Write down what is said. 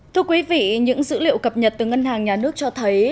thưa quý vị những dữ liệu cập nhật từ ngân hàng nhà nước cho thấy